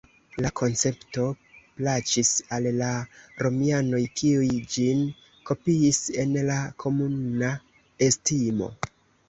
La koncepto plaĉis al la romianoj kiuj ĝin kopiis en la komuna estimo.